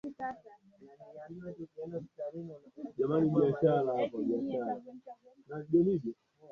kiwango cha ubadilishaji wa fedha za kigeni kilipangwa na waziri